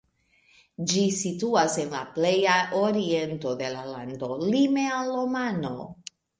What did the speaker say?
Ĝi situas en la pleja oriento de la lando, lime al Omano.